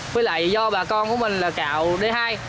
với lại do bà con của mình là gạo d hai